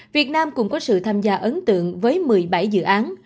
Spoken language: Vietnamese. việt nam cũng có sự tham gia ấn tượng với một mươi bảy dự án